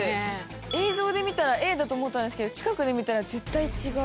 映像で見たらＡだと思ったんですけど近くで見たら絶対違う。